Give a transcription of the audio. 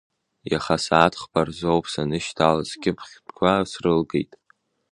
Иаха асааҭ хԥа рзоуп санышьҭала, скьыԥхьтәқәа срылгеит.